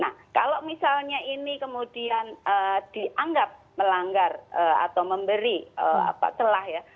nah kalau misalnya ini kemudian dianggap melanggar atau memberi celah ya